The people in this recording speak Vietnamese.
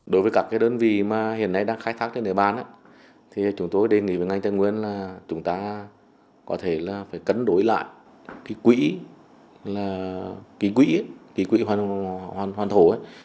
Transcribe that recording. đối với các cái đơn vị mà hiện nay đang khai thác trên nơi bán thì chúng tôi đề nghị với ngành tân nguyên là chúng ta có thể là phải cấn đối lại ký quỹ hoàn thổ